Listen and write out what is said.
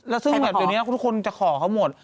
แล้วซึ่งแบบเดี๋ยวนี้ทุกคนจะขอเขาหมด